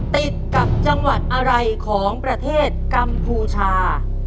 ติดกับจังหวัดอะไรของประเทศกัมพูชา